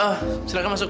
oh sign rekan masuk